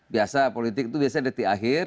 biasa politik itu biasanya detik akhir